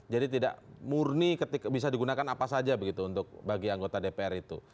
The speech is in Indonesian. jadi tidak murni ketika bisa digunakan apa saja begitu untuk bagi anggota dpr itu